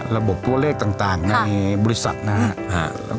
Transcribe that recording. ระบบตัวเลขต่างในบริษัทนะครับ